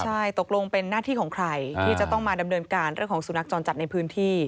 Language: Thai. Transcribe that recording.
ใช่ตกลงเป็นหน้าที่ของใครที่จะต้องมาดำเนินการเรื่องของสุนัขจรจัดในพื้นที่